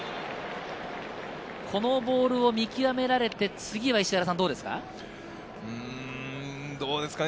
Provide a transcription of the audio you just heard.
このボールを見極められて、次はどうですか？